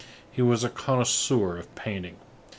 He was a connoisseur of painting.